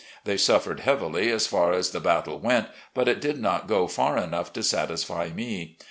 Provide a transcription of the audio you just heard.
They sufEered heavily as far as the battle went, but it did not go far enough to satisfy me.